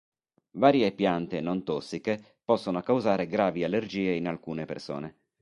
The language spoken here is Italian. Varie piante non tossiche possono causare gravi allergie in alcune persone.